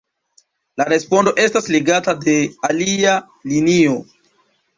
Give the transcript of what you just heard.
La respondo estas legata de alia linio.